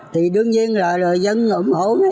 thì đương nhiên là dân ủng hộ